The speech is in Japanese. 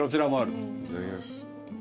いただきます。